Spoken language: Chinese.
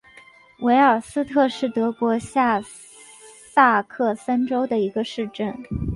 维尔斯特是德国下萨克森州的一个市镇。